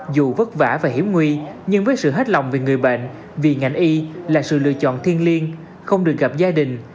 dù vất vả và hiểm nguy nhưng với sự hết lòng về người bệnh vì ngành y là sự lựa chọn thiên liêng không được gặp gia đình